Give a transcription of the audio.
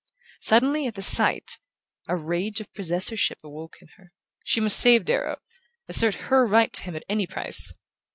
Suddenly, at the sight, a rage of possessorship awoke in her. She must save Darrow, assert her right to him at any price.